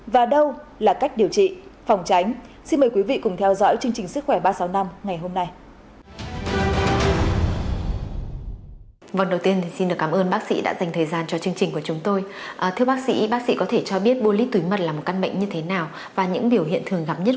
và đâu là cách điều trị phòng tránh xin mời quý vị cùng theo dõi chương trình sức khỏe ba trăm sáu mươi năm ngày hôm nay